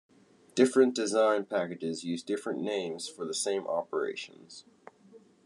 Different design packages use different names for the same operations.